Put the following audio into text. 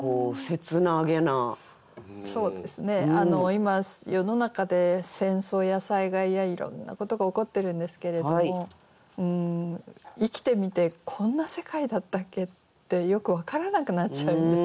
今世の中で戦争や災害やいろんなことが起こってるんですけれども生きてみてこんな世界だったっけ？ってよく分からなくなっちゃうんですよね。